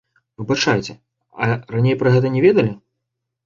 Выбачайце, а раней пра гэта не ведалі?